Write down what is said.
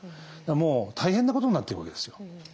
もう大変なことになってるわけですよ。